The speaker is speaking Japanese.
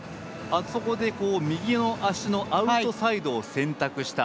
あそこで右の足のアウトサイドを選択した。